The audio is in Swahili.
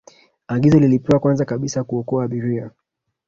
agizo lilipewa kwanza kabisa kuokoa abiria